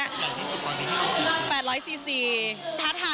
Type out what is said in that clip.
อย่างที่สุดความรู้สึกว่าเป็นยังไง